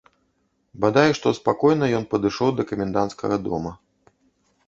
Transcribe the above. Бадай што спакойна ён падышоў да каменданцкага дома.